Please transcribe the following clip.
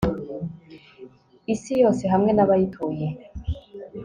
isi yose, hamwe n'abayituye